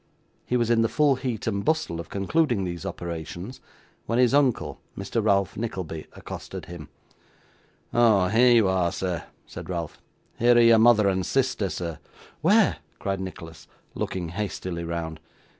He was in the full heat and bustle of concluding these operations, when his uncle, Mr. Ralph Nickleby, accosted him. 'Oh! here you are, sir!' said Ralph. 'Here are your mother and sister, sir.' 'Where?' cried Nicholas, looking hastily round.